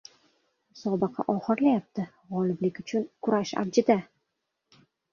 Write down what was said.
Musobaqa oxirlayapti: g‘oliblik uchun kurash avjida